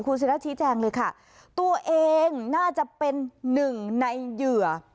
ศิราชี้แจงเลยค่ะตัวเองน่าจะเป็นหนึ่งในเหยื่อ